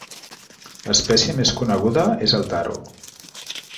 L'espècie més coneguda és el taro.